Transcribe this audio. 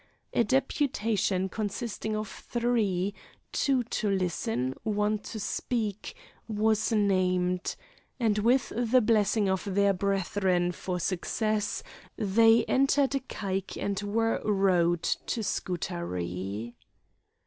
A deputation consisting of three, two to listen, one to speak, was named, and with the blessing of their brethren, for success, they entered a caique and were rowed to Scutari.